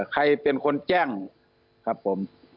ใครเป็นคนแจ้งครับผม